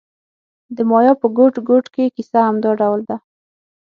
د مایا په ګوټ ګوټ کې کیسه همدا ډول ده